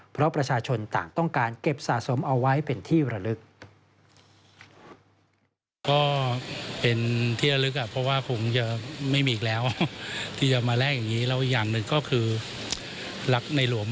เพราะประชาชนต่างต้องการเก็บสะสมเอาไว้เป็นที่ระลึก